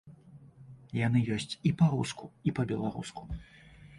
Яны ёсць і па-руску і па-беларуску.